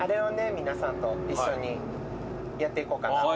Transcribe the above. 皆さんと一緒にやっていこうかなと。